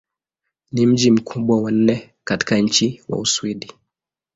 Ni mji mkubwa wa nne katika nchi wa Uswidi.